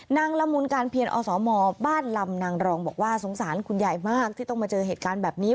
ละมุนการเพียรอสมบ้านลำนางรองบอกว่าสงสารคุณยายมากที่ต้องมาเจอเหตุการณ์แบบนี้